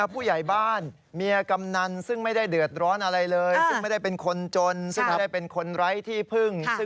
จัดเมียกำนันมาลงชื่อ